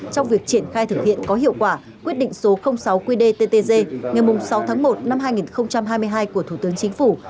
trong việc triển khai thực hiện có hiệu quả quyết định số sáu qdttg ngày sáu tháng một năm hai nghìn hai mươi hai của thủ tướng chính phủ